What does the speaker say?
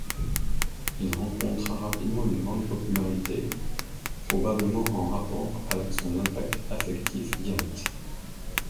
Il rencontra rapidement une grande popularité probablement en rapport avec son impact affectif direct.